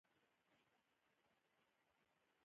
پور په احسان بدل کړه.